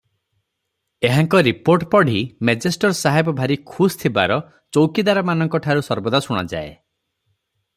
ଏହାଙ୍କ ରିପୋର୍ଟ ପଢ଼ି ମେଜେଷ୍ଟର ସାହେବ ଭାରି ଖୁସ୍ ଥିବାର ଚୌକିଦାରମାନଙ୍କଠାରୁ ସର୍ବଦା ଶୁଣାଯାଏ ।